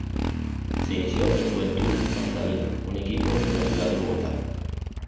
Se inició en Juventud Capitalina, un equipo de la ciudad de Bogotá.